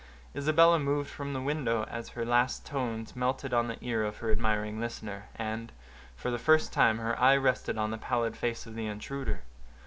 Isabella moved from the window as her last tones melted on the ear of her admiring listener, and, for the first time, her eye rested on the pallid face of the intruder.